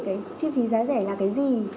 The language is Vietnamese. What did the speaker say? cái chi phí giá rẻ là cái gì